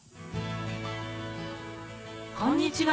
こんにちは